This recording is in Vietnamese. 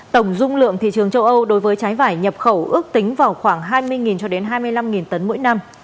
tổng dung lượng thị trường châu âu đối với trái vải nhập khẩu ước tính vào khoảng hai mươi cho đến hai mươi năm tấn mỗi năm